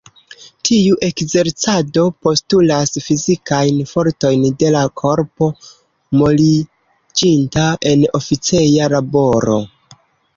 Tiu ekzercado postulas fizikajn fortojn de la korpo, moliĝinta en oficeja laboro.